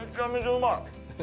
うまい。